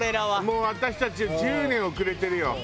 もう私たちは１０年遅れてるよ。